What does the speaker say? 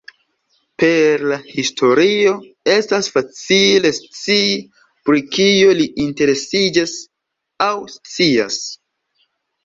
Per la historio, estas facile scii pri kio li interesiĝas aŭ scias.